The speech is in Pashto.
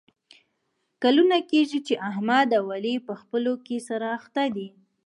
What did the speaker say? کلونه کېږي چې احمد او علي په خپلو کې سره اخته دي.